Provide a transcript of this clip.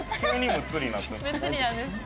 むっつりなんですか？